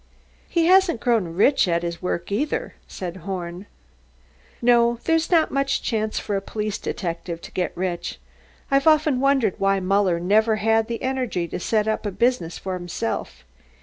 "He hasn't grown rich at his work, either," said Horn. "No, there's not much chance for a police detective to get rich. I've often wondered why Muller never had the energy to set up in business for himself.